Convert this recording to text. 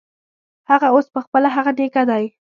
هغه اوس پخپله هغه نیکه دی.